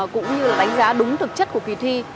cũng như là đánh giá đúng thực chất của kỳ thi